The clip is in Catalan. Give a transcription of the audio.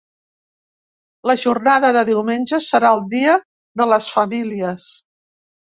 La jornada de diumenge serà el dia de les famílies.